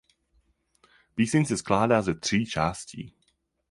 Píseň se skládá ze tří částí.